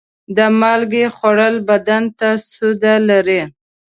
د مالګې خوړل بدن ته سوده لري.